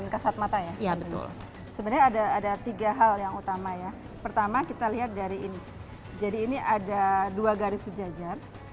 kalau seratus ribu ada satu garis sejajar